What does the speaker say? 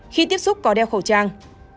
khi tiếp xúc có đeo khẩu trang